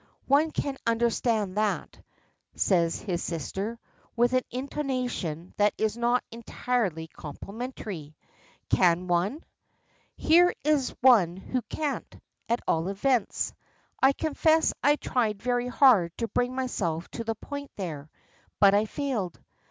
one can understand that," says his sister, with an intonation that is not entirely complimentary. "Can one? Here is one who can't, at all events. I confess I tried very hard to bring myself to the point there, but I failed.